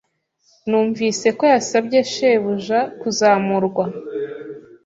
Numvise ko yasabye shebuja kuzamurwa.